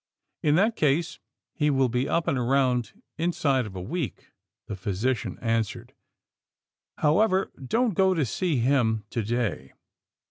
In that case he will be up and around inside of a week, '' the physician answered. ^'However, don't go to see him to day.